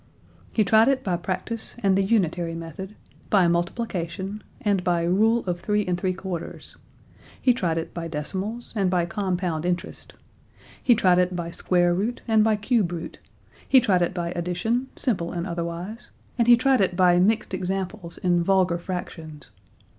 He tried it by practice and the unitary method, by multiplication, and by rule of three and three quarters. He tried it by decimals and by compound interest. He tried it by square root and by cube root. He tried it by addition, simple and otherwise, and he tried it by mixed examples in vulgar fractions.